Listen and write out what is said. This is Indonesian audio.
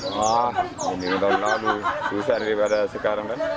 wah ini tahun lalu susah daripada sekarang kan